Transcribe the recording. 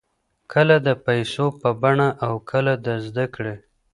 کله د پیسو په بڼه او کله د زده کړې.